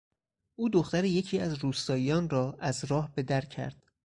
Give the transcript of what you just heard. او دختر یکی از روستاییان را از راه به در کرد.